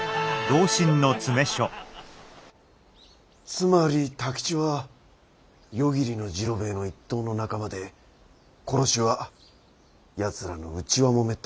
つまり太吉は夜霧ノ治郎兵衛の一党の仲間で殺しはやつらの内輪もめってわけだな？